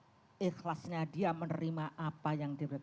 itu semua tergantung bagaimana ikhlasnya dia menerima apa yang dia katakan